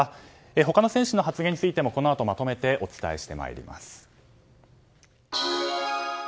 他の選手の発言についてもこのあと、まとめてお伝えしてまいります。